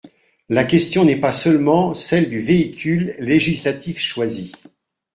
La question n’est pas seulement celle du véhicule législatif choisi.